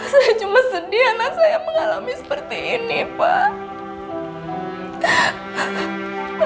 saya cuma sedih anak saya mengalami seperti ini pak